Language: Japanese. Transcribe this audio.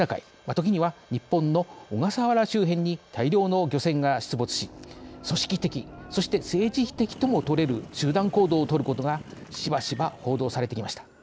時には日本の小笠原周辺に大量の漁船が出没し組織的、そして政治的ともとれる集団行動をとることがしばしば報道されてきました。